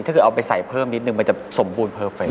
ถ้าคือเอาไปใส่เพิ่มนิดนึงมันจะสมบูรณ์เพอร์เฟคเตอร์